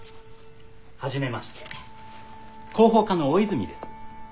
はじめまして広報課の大泉です。